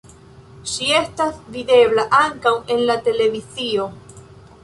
Ŝi estas videbla ankaŭ en la televizio.